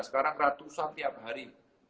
sekarang ratusan tiap hari